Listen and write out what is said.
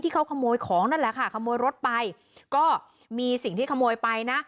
เขาขโมยของนั่นแหละค่ะขโมยรถไปก็มีสิ่งที่ขโมยไปนะ